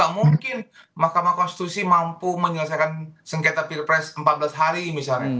mungkin mk mampu menyelesaikan sengketa pilpres empat belas hari misalnya